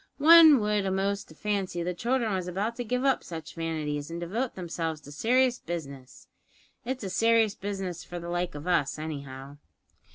One would a'most fancy the childr'n was about to give up such vanities an' devote themselves to serious business. It's a serious business for the like of us, anyhow."